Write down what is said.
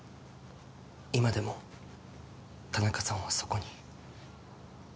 今でも田中さんはそこに